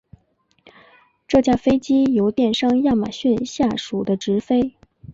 这架飞机由电商亚马逊下属的执飞。